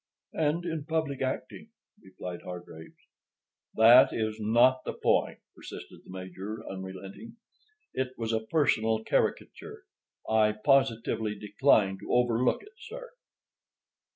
"And in public acting," replied Hargraves. "That is not the point," persisted the Major, unrelenting. "It was a personal caricature. I positively decline to overlook it, sir."